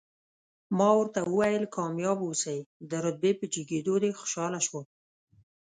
ما ورته وویل، کامیاب اوسئ، د رتبې په جګېدو دې خوشاله شوم.